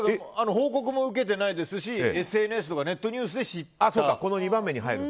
報告も受けてないですしＳＮＳとかネットニュースで知ったので。